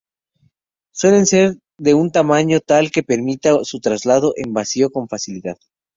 Suelen ser de un tamaño tal que permita su traslado en vacío con facilidad.